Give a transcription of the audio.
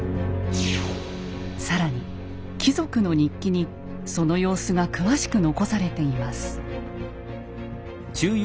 更に貴族の日記にその様子が詳しく残されています。